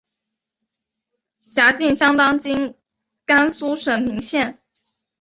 辖境相当今甘肃省岷县。